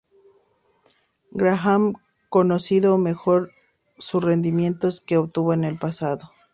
Graham conocía mejor su rendimiento que obtuvo en el pasado.